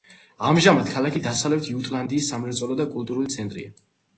ამჟამად ქალაქი დასავლეთ იუტლანდიის სამრეწველო და კულტურული ცენტრია.